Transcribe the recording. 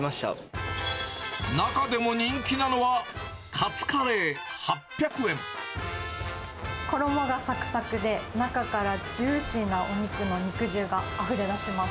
中でも人気なのは、衣がさくさくで、中からジューシーなお肉の肉汁があふれ出します。